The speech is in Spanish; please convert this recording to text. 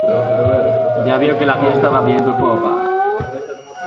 ya veo que la fiesta va viento en popa.